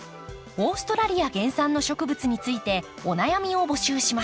オーストラリア原産の植物についてお悩みを募集します。